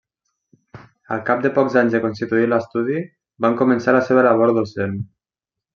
Al cap de pocs anys de constituir l'estudi, van començar la seva labor docent.